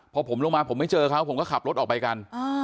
พอผมลงมาผมไม่เจอเขาผมก็ขับรถออกไปกัน